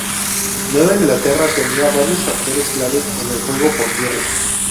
Nueva Inglaterra tenía varios factores clave en el juego por tierra.